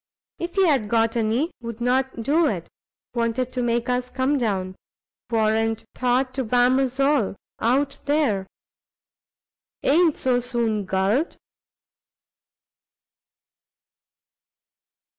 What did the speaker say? if he'd got any, would not do it. Wanted to make us come down; warrant thought to bam us all! out there! a'n't so soon gulled."